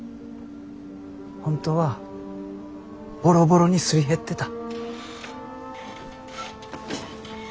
本当はボロボロにすり減ってた。